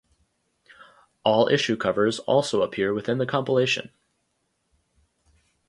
All issue covers also appear within the compilation.